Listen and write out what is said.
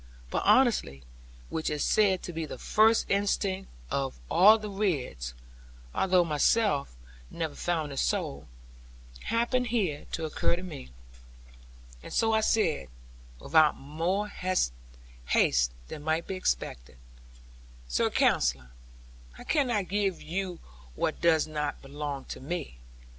But honesty, which is said to be the first instinct of all the Ridds (though I myself never found it so), happened here to occur to me, and so I said, without more haste than might be expected, 'Sir Counsellor, I cannot give you what does not belong to me.